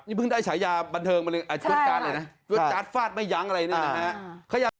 นี่เพิ่งได้ฉายาบันเทิงมาเลยจัดฟาดมาอย่างอะไรเนี่ยนะฮะ